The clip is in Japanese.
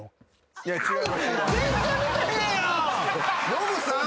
ノブさん！